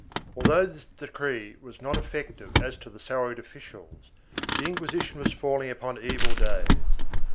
1 Although this decree was not effective as to the salaried offi cials, the Inquisition was falling upon evil days.